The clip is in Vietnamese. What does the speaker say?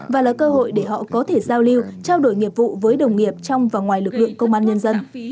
và là cơ hội để họ có thể giao lưu trao đổi nghiệp vụ với đồng nghiệp trong và ngoài lực lượng công an nhân dân